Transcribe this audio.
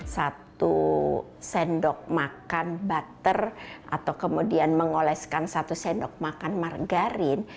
satu sendok makan butter atau kemudian mengoleskan satu sendok makan margarin